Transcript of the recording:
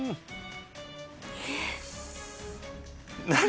何？